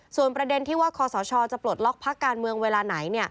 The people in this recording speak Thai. ส่วนประเด็นที่ว่าคอสชจะปลดล็อกพักการเมืองเวลาไหน